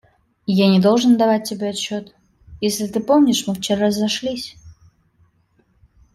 Я не должен давать тебе отчет, если ты помнишь, мы вчера разошлись.